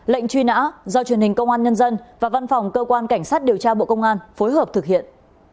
lệnh truy nã do truyền hình công an nhân dân và văn phòng cơ quan cảnh sát điều tra bộ công an phối hợp thực hiện